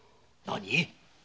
何！？